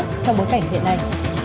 trong bối cảnh hiện nay